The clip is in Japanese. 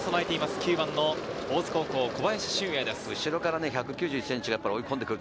９番の大津高校、小林俊瑛です。